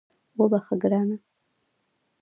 وبخښه ګرانه